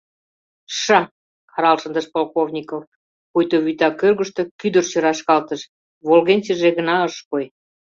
— Ша! — карал шындыш Полковников, пуйто вӱта кӧргыштӧ кӱдырчӧ рашкалтыш, волгенчыже гына ыш кой.